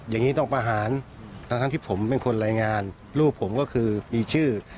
อย่างนี้ต้องประหารทั้งที่ผมเป็นคนรายงานลูกผมก็คือมีชื่อ